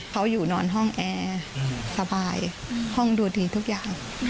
เขาอยู่นอนห้องแอร์สบายห้องดูทีทุกอย่าง